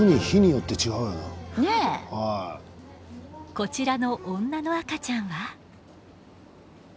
こちらの女の赤ちゃんは。